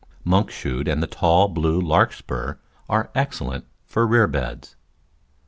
Monkshood and the tall blue Larkspur are excellent for rear beds.